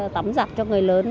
tắm giặt cho người lớn